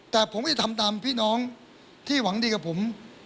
แต่ผมจะทำตามพี่น้องที่หวังดีกับผม